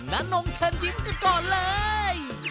นงเชิญยิ้มกันก่อนเลย